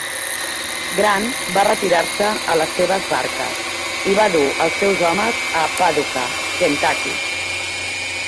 Grant va retirar-se a les seves barques i va dur els seus homes a Paducah, Kentucky.